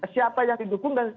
siapa yang didukung dan